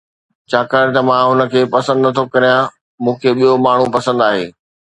ڇاڪاڻ ته مان هن کي پسند نٿو ڪريان، مون کي ٻيو ماڻهو پسند آهي